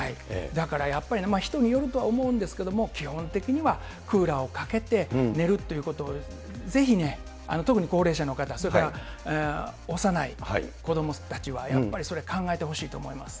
だからやっぱりね、まあ人によるとは思うんですけれども、基本的には、クーラーをかけて寝るということをぜひね、特に高齢者の方、それから幼い子どもたちはやっぱりそれ、考えてほしいと思います。